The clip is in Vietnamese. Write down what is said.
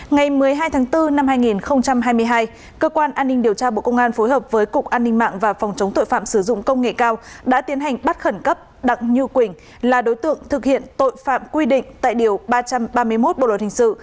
ngày một mươi hai tháng bốn năm hai nghìn hai mươi hai cơ quan an ninh điều tra bộ công an phối hợp với cục an ninh mạng và phòng chống tội phạm sử dụng công nghệ cao đã tiến hành bắt khẩn cấp đặng như quỳnh là đối tượng thực hiện tội phạm quy định tại điều ba trăm ba mươi một bộ luật hình sự